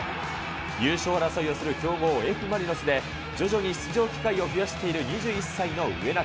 優勝争いをする強豪、Ｆ・マリノスで、徐々に出場機会を増やしている２１歳の植中。